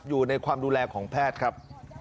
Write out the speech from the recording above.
อยู่ในความดูแลของแพทย์ครับ